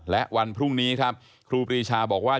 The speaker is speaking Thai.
และวันพรุ่งนี้ครับครูปรีชาบอกว่า